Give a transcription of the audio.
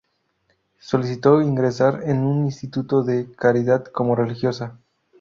Solicitó ingresar en un Instituto de caridad como religiosa.